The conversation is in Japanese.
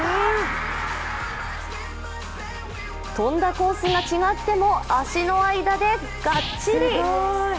飛んだコースが違っても、足の間でガッチリ。